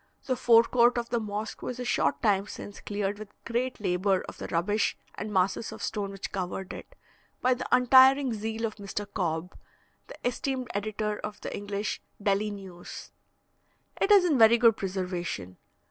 The fore court of the mosque was a short time since cleared with great labour of the rubbish and masses of stone which covered it, by the untiring zeal of Mr. Cobb, the esteemed editor of the English Delhi News. It is in very good preservation.